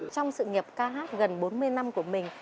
trong sự nghiệp ca hát gần bốn mươi năm của mình